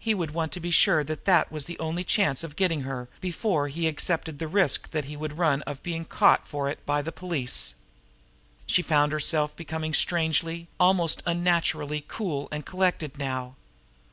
He would want to be sure that was the only chance he had of getting her, before he accepted the risk that he would run of being caught for it by the police. She found herself becoming strangely, almost unnaturally, cool and collected now.